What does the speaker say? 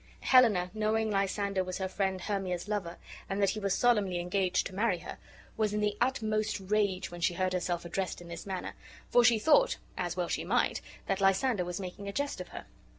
Helena, knowing Lysander was her friend Hermia's lover, and that he was solemnly engaged to marry her, was in the utmost rage when she heard herself addressed in this manner; for she thought (as well she might) that Lysander was making a jest of her.